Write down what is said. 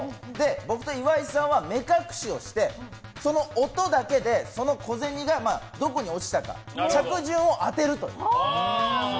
僕と岩井さんは目隠しをしてその音だけでその小銭がどこに落ちたか着順を当てるという。